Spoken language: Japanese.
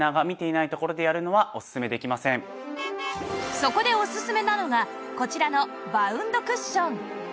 そこでおすすめなのがこちらのバウンドクッション